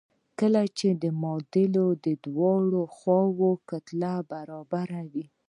کله چې د معادلې د دواړو خواوو کتله برابره وي.